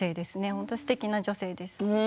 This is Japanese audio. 本当にすてきな女性です。